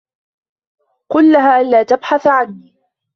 قل لها ألا تبحث عني.